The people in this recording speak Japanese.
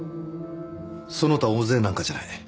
その他大勢なんかじゃない。